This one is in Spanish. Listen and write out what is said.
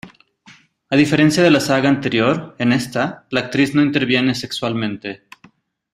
A diferencia de la saga anterior, en esta, la actriz no interviene sexualmente.